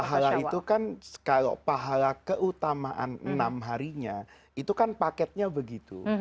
pahala itu kan kalau pahala keutamaan enam harinya itu kan paketnya begitu